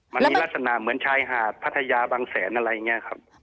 มันมีลักษณะเหมือนชายหาดพัทยาบางแสนอะไรอย่างนี้ครับ